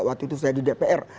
waktu itu saya di dpr